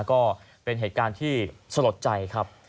ก็เป็นเหตุการณ์ที่สลดใจครับ